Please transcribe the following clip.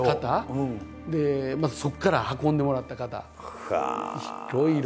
またそこから運んでもらった方いろいろ。